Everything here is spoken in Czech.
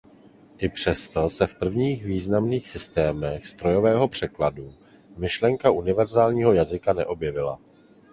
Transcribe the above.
I přesto se v prvních významných systémech strojového překladu myšlenka univerzálního jazyka neobjevila.